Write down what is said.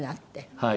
はい。